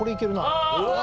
あ！